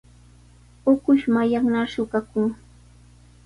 Ukush mallaqnar suqakun.